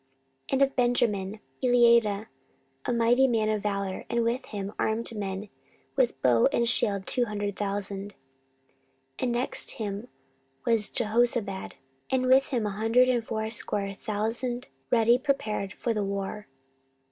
14:017:017 And of Benjamin; Eliada a mighty man of valour, and with him armed men with bow and shield two hundred thousand. 14:017:018 And next him was Jehozabad, and with him an hundred and fourscore thousand ready prepared for the war.